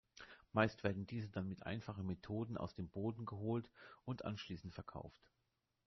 Meist werden diese dann mit einfachen Methoden aus dem Boden geholt und anschließend verkauft.